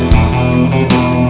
sampai jumpa pak